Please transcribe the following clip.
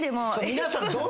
皆さん。